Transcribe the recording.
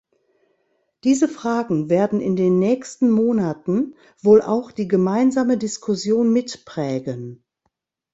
Diese Fragen werden in den nächsten Monaten wohl auch die gemeinsame Diskussion mitprägen.